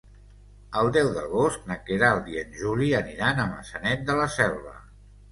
El deu d'agost na Queralt i en Juli aniran a Maçanet de la Selva.